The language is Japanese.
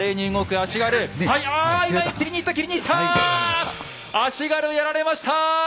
足軽やられました！